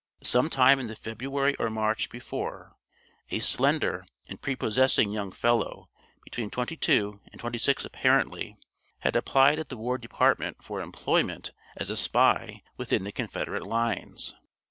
Some time in the February or March before, a slender and prepossessing young fellow, between twenty two and twenty six apparently, had applied at the War Department for employment as a spy within the Confederate lines.